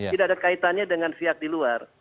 tidak ada kaitannya dengan pihak di luar